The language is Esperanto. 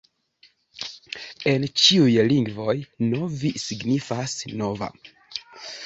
En ĉiuj lingvoj Novi signifas: nova.